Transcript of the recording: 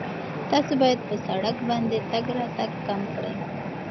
تاسو باید په سړک باندې تګ راتګ کم کړئ.